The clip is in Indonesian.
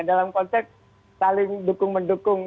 dalam konteks saling dukung mendukung